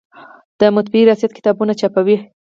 د مطبعې ریاست کتابونه چاپوي؟